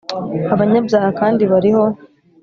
Abanyabyaha kandi bariho.